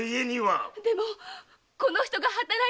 でもこの人が働いてきっと！